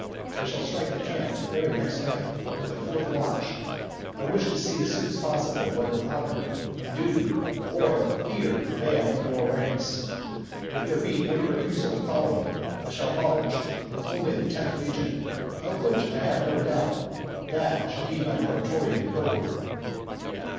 I shall strike the camp the very next night, at the fourth watch; I wish to see as soon as possible whether honor and duty or fear prevail in your ranks. If there be any refusal to follow me, I shall march with only the tenth legion, of which I have no doubt; that shall be my praetorian cohort."